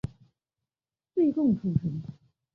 岁贡出身。